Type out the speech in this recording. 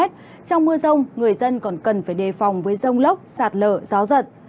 trong mưa rông người dân còn cần phải đề phòng với rông lốc sạt lở gió giật